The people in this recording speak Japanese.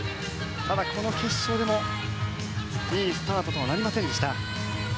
ただ、この決勝でいいスタートとはなりませんでした。